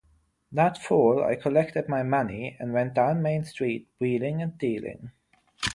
That fall I collected my money and went down Main Street wheeling and dealing.